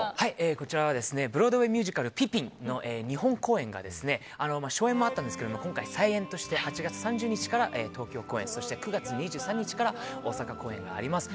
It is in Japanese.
こちらはブロードウェーミュージカル「ピピン」の日本公演が初演もあったんですが今回、再演として８月３０日から東京公演そして９月２３日から大阪公演があります。